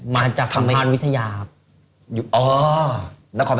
อ๋อมาจากสัมภารวิทยาครับ